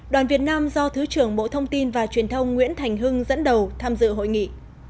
đoàn việt nam do thứ trưởng bộ thông tin và truyền thông nguyễn thành hưng dẫn đầu tham dự hội nghị